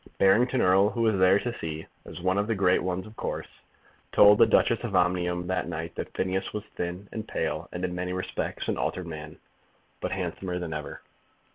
Barrington Erle, who was there to see, as one of the great ones, of course, told the Duchess of Omnium that night that Phineas was thin and pale, and in many respects an altered man, but handsomer than ever.